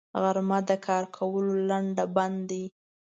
غرمه د کارونو لنډ بند دی